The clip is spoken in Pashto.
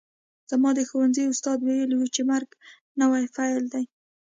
زما د ښوونځي استاد ویلي وو چې مرګ نوی پیل دی